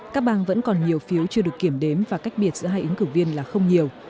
các bang vẫn còn nhiều phiếu chưa được kiểm đếm và cách biệt giữa hai ứng cử viên là không nhiều